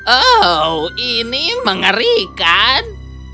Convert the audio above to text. oh ini mengerikan